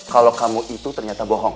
kalau kamu itu ternyata bohong